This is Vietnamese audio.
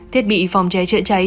thiết bị phòng cháy chữa cháy